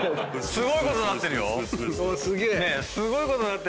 すごいことになってるけど。